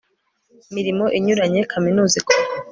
mirimo inyuranye Kaminuza ikora